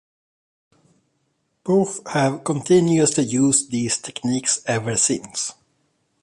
Both have continuously used these techniques ever since.